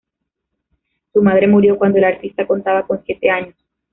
Su madre murió cuando el artista contaba con siete años.